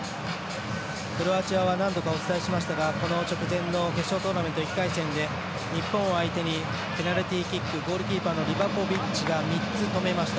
クロアチアは何度かお伝えしましたがこの直前の決勝トーナメント１回戦で日本を相手にペナルティーキックゴールキーパーのリバコビッチが３つ止めました。